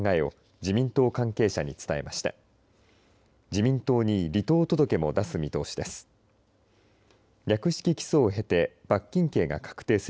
自民党に離党届も出す見通しです。